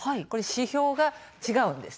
指標が違うんです。